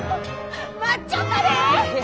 待っちょったで！